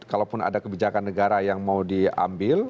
kalaupun ada kebijakan negara yang mau diambil